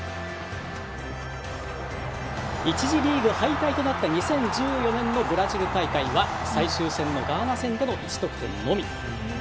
１次リーグ敗退となったブラジル戦は最終戦のガーナ戦での１得点のみ。